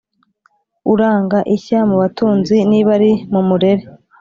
uranga ishya mu batunzi. niba ari mu murere